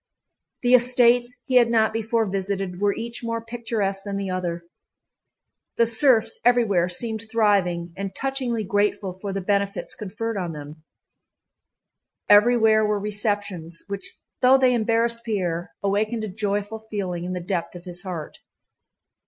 The estates he had not before visited were each more picturesque than the other; the serfs everywhere seemed thriving and touchingly grateful for the benefits conferred on them. Everywhere were receptions, which though they embarrassed Pierre awakened a joyful feeling in the depth of his heart.